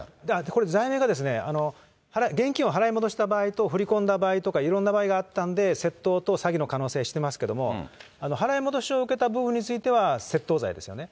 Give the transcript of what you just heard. これ、罪名が現金を払い戻した場合と振り込んだ場合とか、いろんな場合があったんで、窃盗と詐欺の可能性としてますけど、払い戻しを受けた部分については、窃盗罪ですよね。